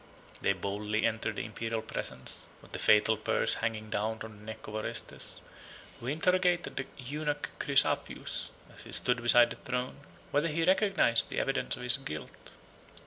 They boldly entered the Imperial presence, with the fatal purse hanging down from the neck of Orestes; who interrogated the eunuch Chrysaphius, as he stood beside the throne, whether he recognized the evidence of his guilt.